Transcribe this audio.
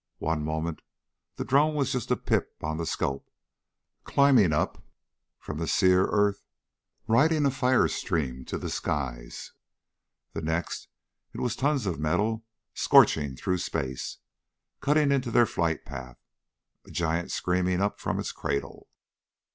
One moment the drone was just a pip on the scope, climbing up from the sere earth, riding a firestream to the skies; the next it was tons of metal scorching through space, cutting into their flight path a giant screaming up from its cradle.